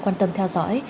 quan tâm theo dõi